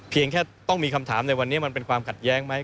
แค่ต้องมีคำถามในวันนี้มันเป็นความขัดแย้งไหม